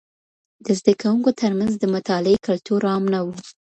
د زده کوونکو ترمنځ د مطالعې کلتور عام نه و.